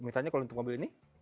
misalnya kalau untuk mobil ini